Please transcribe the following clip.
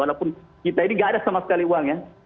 walaupun kita ini gak ada sama sekali uang ya